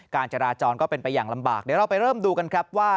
การจราจรก็เป็นไปอย่างลำบากเดี๋ยวเราไปเริ่มดูกันครับว่า